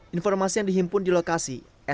informasi yang dihimpun di lokasi